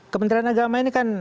kementerian azama ini kan